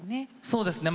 そうですね